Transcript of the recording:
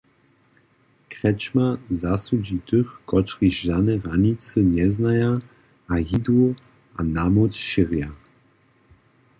Kretschmer zasudźi tych, kotřiž žane hranicy njeznaja a hidu a namóc šěrja.